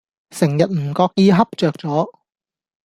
成日唔覺意恰著左